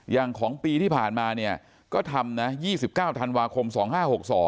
อย่างของปีที่ผ่านมาเนี่ยก็ทำนะ๒๙ธันวาคม๒๕๖๒